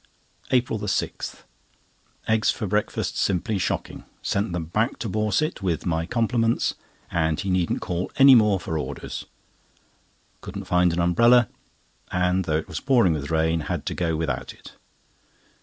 APRIL 6.—Eggs for breakfast simply shocking; sent them back to Borset with my compliments, and he needn't call any more for orders. Couldn't find umbrella, and though it was pouring with rain, had to go without it.